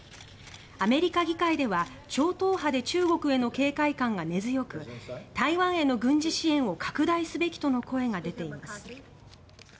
アメリカ議会では超党派で中国への警戒感が根強く台湾への軍事支援を拡大すべきとの声が出ています。